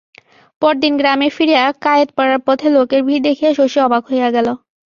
পরদিন গ্রামে ফিরিয়া কায়েতপাড়ার পথে লোকের ভিড় দেখিয়া শশী অবাক হইয়া গেল।